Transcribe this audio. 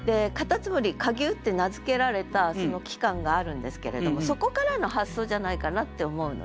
蝸牛蝸牛って名付けられたその器官があるんですけれどもそこからの発想じゃないかなって思うのね。